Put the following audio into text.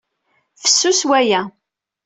Fessus waya.